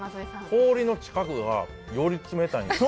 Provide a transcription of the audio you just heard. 氷の近くが、より冷たいです。